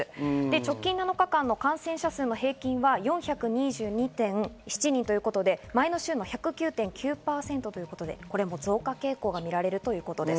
直近７日間の感染者数の平均は４２２．７人ということで、前の週の１０９．９％ということで、これも増加傾向が見られるということです。